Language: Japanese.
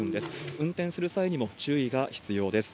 運転する際にも注意が必要です。